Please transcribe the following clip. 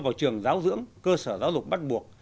vào trường giáo dưỡng cơ sở giáo dục bắt buộc